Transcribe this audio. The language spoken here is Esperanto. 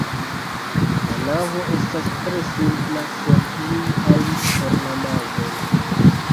La navo estas tre simpla sen iu ajn ornamaĵoj.